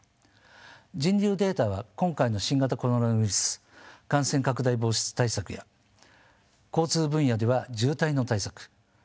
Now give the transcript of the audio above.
人流データは今回の新型コロナウイルス感染拡大防止対策や交通分野では渋滞の対策。